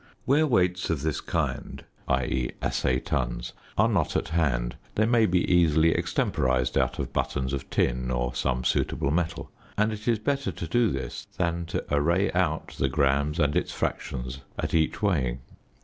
Where weights of this kind (i.e., assay tons) are not at hand they may be easily extemporised out of buttons of tin or some suitable metal, and it is better to do this than to array out the grams and its fractions at each weighing.